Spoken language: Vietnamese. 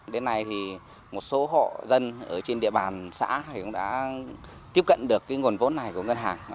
đến nay thì một số hộ dân ở trên địa bàn xã cũng đã tiếp cận được nguồn vốn này của ngân hàng